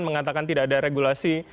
mengatakan tidak ada regulasi